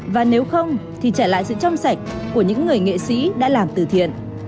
và nếu không thì trả lại sự trong sạch của những người nghệ sĩ đã làm từ thiện